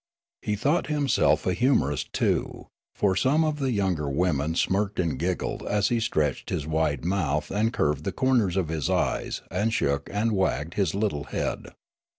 He thought himself a humourist too, for some of the younger women smirked and giggled as he stretched his wide mouth and curved the corners of his eyes and shook and wagged his little head.